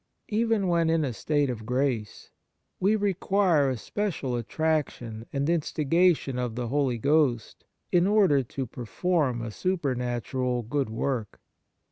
Even when in a state of grace, we require a special attraction and instiga tion of the Holy Ghost in order to per form a supernatural good work.